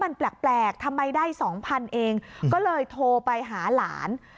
มันแปลกแปลกทำไมได้สองพันเองก็เลยโทรไปหาหลาน